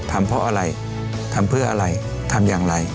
ทำเพราะอะไรทำเพื่ออะไรทำอย่างไร